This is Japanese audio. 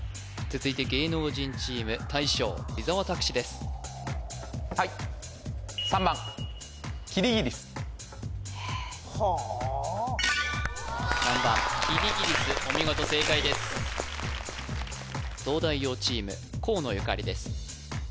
続いて芸能人チーム大将伊沢拓司ですはいえっ・はあ３番キリギリスお見事正解です東大王チーム河野ゆかりです